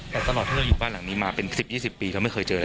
แต่ตลอดที่เราอยู่บ้านหลังนี้มาเป็น๑๐๒๐ปีเราไม่เคยเจอเลย